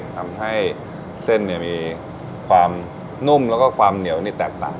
ทำให้เส้นมีความนุ่มแล้วก็ความเหนียวนี่แตกต่าง